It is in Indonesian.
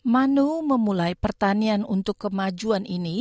mano memulai pertanian untuk kemajuan ini